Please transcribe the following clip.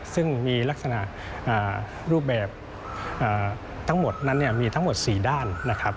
ซึ่งมีลักษณะรูปแบบทั้งหมดมีทั้งหมด๔ด้าน